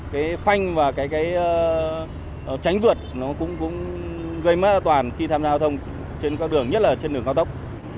cái phanh và cái tránh vượt nó cũng gây mất an toàn khi tham gia giao thông trên các đường nhất là trên đường cao tốc